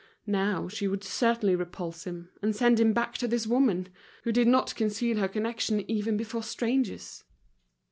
Now, she would certainly repulse him, and send him back to this woman, who did not conceal her connection even before strangers.